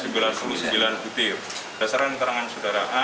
berdasarkan keterangan saudara a